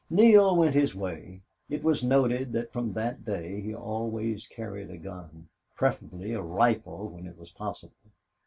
Neale went his way. It was noted that from that day he always carried a gun, preferably a rifle when it was possible.